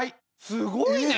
すごいね！